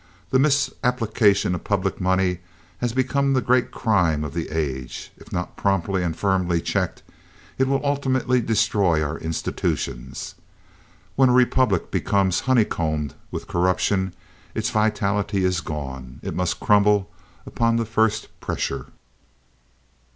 The misapplication of public money has become the great crime of the age. If not promptly and firmly checked, it will ultimately destroy our institutions. When a republic becomes honeycombed with corruption its vitality is gone. It must crumble upon the first pressure.